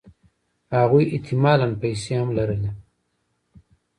هغوی احتمالاً پیسې هم لرلې